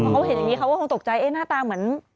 เขาเห็นอย่างนี้เขาก็คงตกใจหน้าตาเหมือน